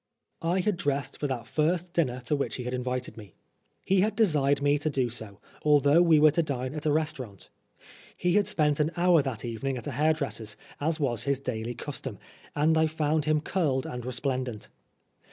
I had dressed for that first dinner to which he had invited me. He had desired me to do so, although we were to dine at a restaurant. He had spent an hour that evening at a hairdresser's, as was his daily 32 Oscar Wilde custom, and I found him curled and resplen dent.